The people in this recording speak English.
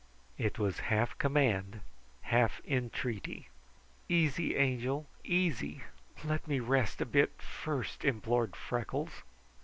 It was half command, half entreaty. "Easy, Angel, easy! Let me rest a bit first!" implored Freckles.